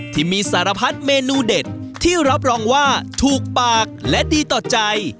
ที่มีสารพัดเมนูเด็ดที่รับรองว่าถูกปากและดีต่อใจ